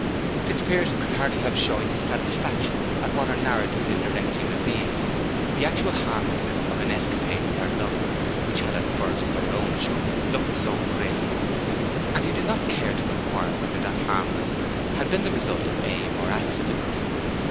Fitzpiers could hardly help showing his satisfaction at what her narrative indirectly revealed, the actual harmlessness of an escapade with her lover, which had at first, by her own showing, looked so grave, and he did not care to inquire whether that harmlessness had been the result of aim or of accident.